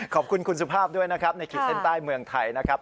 ขอบคุณคุณสุภาพด้วยนะครับในขีดเส้นใต้เมืองไทยนะครับ